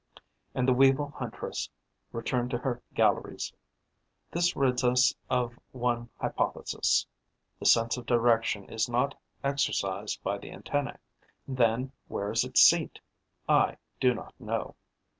and the Weevil huntress returned to her galleries. This rids us of one hypothesis: the sense of direction is not exercised by the antennae. Then where is its seat? I do not know.